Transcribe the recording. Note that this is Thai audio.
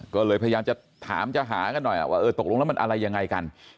ก็เลยพยายามจะถามจะหากันหน่อยว่าเออตกลงแล้วมันอะไรยังไงกัน